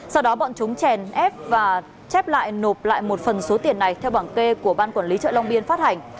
sau đó bọn chúng chèn ép và chép lại nộp lại một phần số tiền này theo bảng kê của ban quản lý chợ long biên phát hành